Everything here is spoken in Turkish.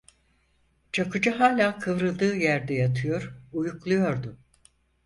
Çakıcı hâlâ kıvrıldığı yerde yatıyor, uyukluyordu.